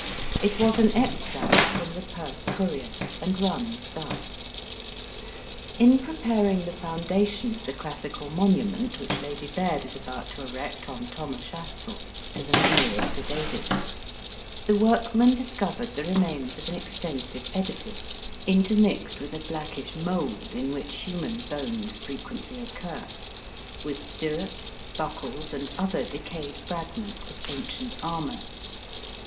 It was an extract from the Perth Courier, and runs thus: "In preparing the foundation of the classical monument which Lady Baird is about to erect on Tom a Chastel, to the memory of Sir David, the workmen discovered the remains of an extensive edifice, intermixed with a blackish mold, in which human bones frequently occur, with stirrups, buckles, and other decayed fragments of ancient armor.